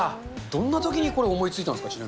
どんなときにこれ、思いついたんですか。